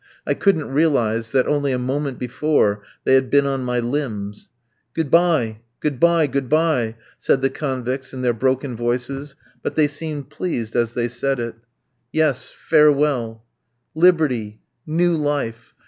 I couldn't realise that, only a moment before, they had been on my limbs. "Good bye! Good bye! Good bye!" said the convicts in their broken voices; but they seemed pleased as they said it. Yes, farewell! Liberty! New life!